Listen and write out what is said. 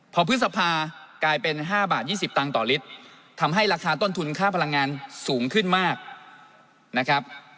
พอพฤษภากลายเป็น๕บาท๒๐ตังค์ต่อลิตรทำให้ราคาต้นทุนค่าพลังงานสูงขึ้นมากนะครับ